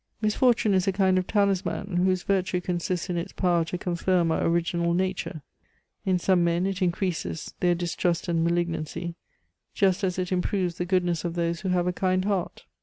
Misfortune is a kind of talisman whose virtue consists in its power to confirm our original nature; in some men it increases their distrust and malignancy, just as it improves the goodness of those who have a kind heart.